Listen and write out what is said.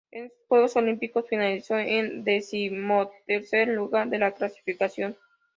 En estos Juegos Olímpicos finalizó en decimotercer lugar de la clasificación.